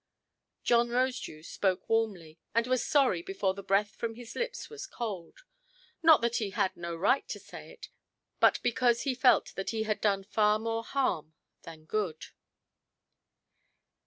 John Rosedew spoke warmly, and was sorry before the breath from his lips was cold. Not that he had no right to say it, but because he felt that he had done far more harm than good.